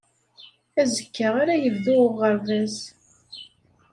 Azekka ara yebdu uɣerbaz.